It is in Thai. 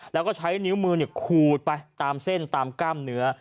แล้วก็ใช้นิ้วมือขูดไปตามเส้นตามกล้ามเนื้อ